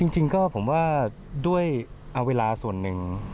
จริงก็ผมว่าด้วยเอาเวลาส่วนหนึ่ง